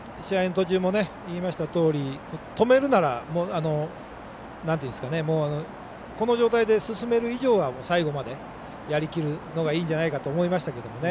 途中も言いましたとおりこの状態で進める以上は最後までやりきるのがいいんじゃないかと思いましたけどもね。